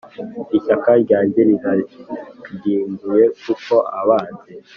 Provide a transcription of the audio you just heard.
Ishyaka ryanjye rirandimbuye Kuko abanzi